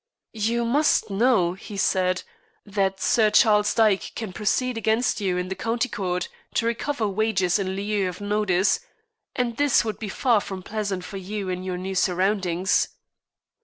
"You must know," he said, "that Sir Charles Dyke can proceed against you in the County Court to recover wages in lieu of notice, and this would be far from pleasant for you in your new surroundings."